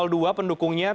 tadi kita sudah bicara